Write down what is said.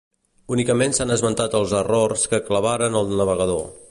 Únicament s'han esmenat els errors que clavaven el navegador.